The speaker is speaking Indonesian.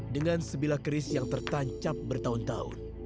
dengan sebilah keris yang tertancap bertahun tahun